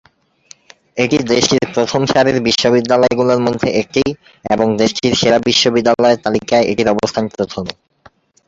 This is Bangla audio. এটি দেশটির প্রথম সারির বিশ্ববিদ্যালয়গুলোর মধ্যে একটি, এবং দেশটির সেরা বিশ্ববিদ্যালয়ের তালিয়ায় এটির অবস্থান প্রথমে।